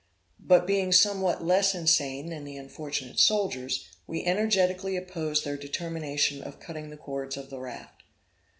But being somewhat less insane than the unfortunate soldiers, we energetically opposed their determination of cutting the cords of the raft.